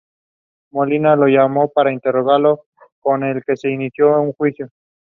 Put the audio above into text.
The comic was initially published on Tumblr but now has its own website.